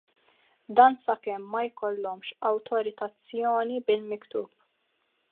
Dan sakemm ma jkollhomx awtorizzazzjoni bil-miktub.